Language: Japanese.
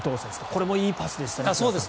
これもいいパスでしたね。